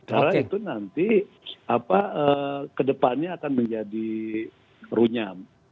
karena itu nanti apa kedepannya akan menjadi runyam